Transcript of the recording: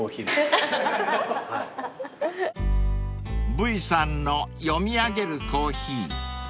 ［ＢＵｏＹさんの読み上げるコーヒー］